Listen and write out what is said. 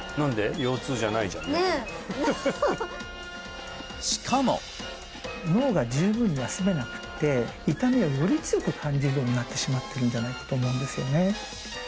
ねえしかも脳が十分に休めなくて痛みをより強く感じるようになってしまってるんじゃないかと思うんですよね